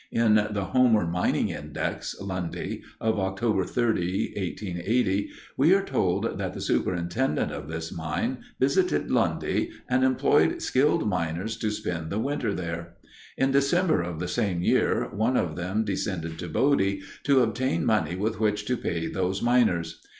In the Homer Mining Index, Lundy, of October 30, 1880, we are told that the superintendent of this mine visited Lundy and employed skilled miners to spend the winter there. In December of the same year one of them descended to Bodie to obtain money with which to pay those miners.